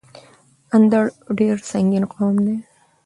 اندړ ډير سنګين قوم دی